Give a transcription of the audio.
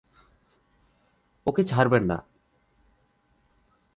ওকে ছাড়বে না।